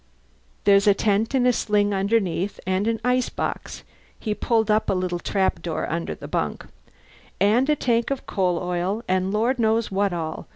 There's a tent in a sling underneath, and an ice box (he pulled up a little trap door under the bunk) and a tank of coal oil and Lord knows what all.